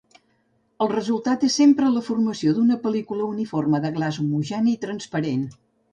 El resultat és sempre la formació d'una pel·lícula uniforme de glaç homogeni i transparent.